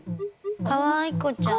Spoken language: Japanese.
かわいこちゃん。